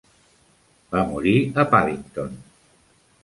Va morir a Paddington.